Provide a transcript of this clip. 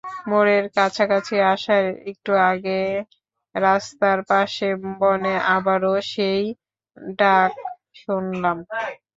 মোড়ের কাছাকাছি আসার একটু আগে রাস্তার পাশের বনে আবারও সেই ডাক শুনলাম।